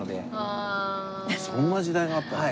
そんな時代があったの？